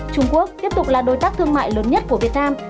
trung quốc tiếp tục là đối tác thương mại lớn nhất của việt nam